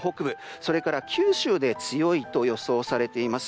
それから九州で強いと予想されています。